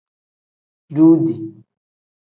Duudi.